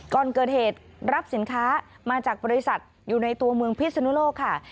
ก่อนเกิดเหตุรับสินค้ามาจากบริษัทอยู่ในตัวเมืองพิศนุโลกค่ะ